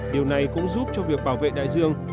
điều này cũng giúp cho việc bảo vệ đại dương